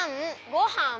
ごはん！